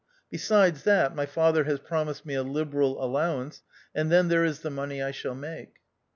Besides that, my father has promised me a liberal allowance, and then there is the money I shall make."